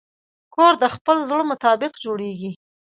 کور د خپل زړه مطابق جوړېږي.